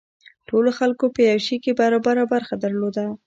ټولو خلکو په یو شي کې برابره برخه درلوده.